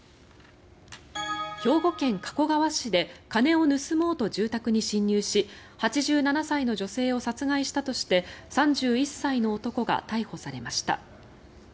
兵庫県加古川市で金を盗もうと住宅に侵入し８７歳の女性を殺害したとして３１歳の男が逮捕されました。